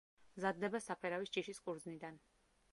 მზადდება საფერავის ჯიშის ყურძნიდან.